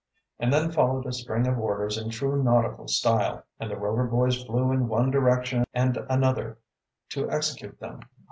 And then followed a string of orders in true nautical style, and the Rover boys flew in one direction and another to execute them.